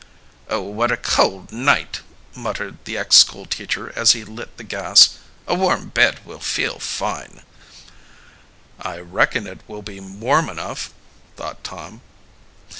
"Oh, what a cold night," muttered the ex school teacher as he lit the gas. "A warm bed will feel fine." "I reckon it will be warm enough," thought Tom.